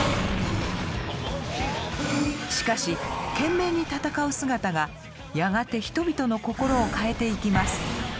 しかし懸命に戦う姿がやがて人々の心を変えていきます。